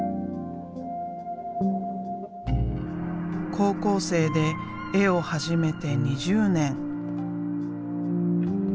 高校生で絵を始めて２０年。